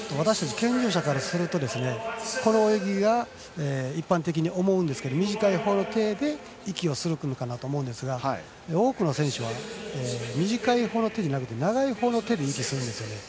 健常者からするとこの泳ぎが一般的に思いますが短いほうの手で息をするかなと思うんですが多くの選手は短いほうの手ではなく長いほうの手で息を吸うんですね。